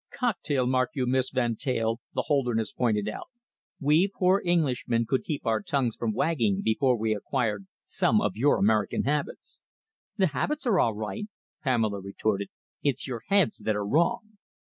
"Cocktail, mark you, Miss Van Teyl," Holderness pointed out. "We poor Englishmen could keep our tongues from wagging before we acquired some of your American habits." "The habits are all right," Pamela retorted. "It's your heads that are wrong."